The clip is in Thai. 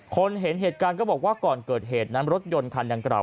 คนเห็นเหตุการณ์ก็บอกว่าก่อนเกิดเหตุน้ำรถยนต์คันอย่างเกราะ